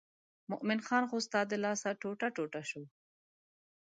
مومن خان خو ستا د لاسه ټوټه ټوټه شو.